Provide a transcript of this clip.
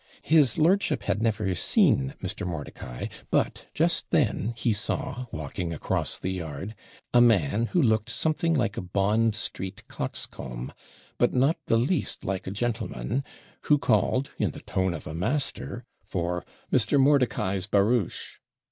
His lordship had never seen Mr. Mordicai; but, just then, he saw, walking across the yard, a man, who looked something like a Bond Street coxcomb, but not the least like a gentleman, who called, in the tone of a master, for 'Mr. Mordicai's barouche!'